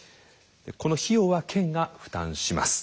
この費用は県が負担します。